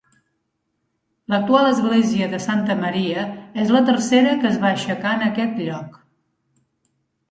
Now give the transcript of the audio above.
L'actual església de Santa Maria és la tercera que es va aixecar en aquest lloc.